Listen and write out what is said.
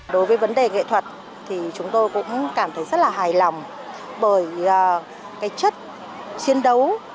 đối với vấn đề nghệ thuật thì chúng tôi cũng cảm thấy rất là hài lòng bởi cái chất chiến đấu